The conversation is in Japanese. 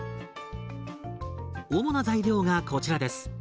主な材料がこちらです。